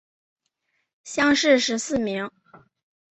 乡试十四名。